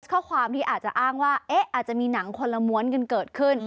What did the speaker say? ข้อความที่อาจจะอ้างว่าอาจจะมีหนังคนละม้วนกันเกิดขึ้น